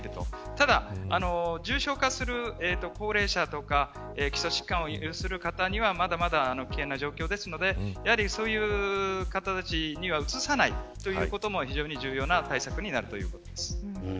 ただ、重症化する高齢者とか基礎疾患を有する方にはまだまだ危険な状況ですのでそういう方たちには移さないということも非常に重要な対策になるということです。